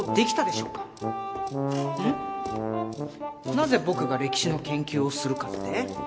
なぜ僕が歴史の研究をするかって？